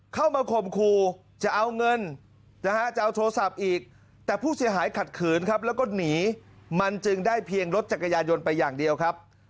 เข้ามาข่มขู่จะเอาเงินนะฮะจะเอาโทรศัพท์อีกแต่ผู้เสียหายขัดขืนครับแล้วก็หนีมันจึงได้เพียงรถจักรยานยนต์ไปอย่างเดียวครับ